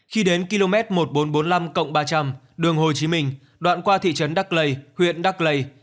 khi đến km một nghìn bốn trăm bốn mươi năm ba trăm linh đường hồ chí minh đoạn qua thị trấn đắc lây huyện đắc lây